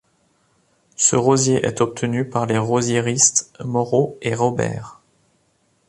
Ce rosier est obtenu par les rosiéristes Moreau et Robert.